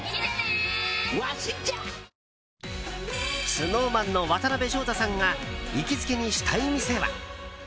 ＳｎｏｗＭａｎの渡辺翔太さんが行きつけにしたい店は。